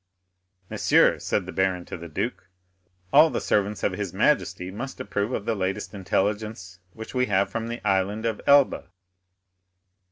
"Monsieur," said the baron to the duke, "all the servants of his majesty must approve of the latest intelligence which we have from the Island of Elba.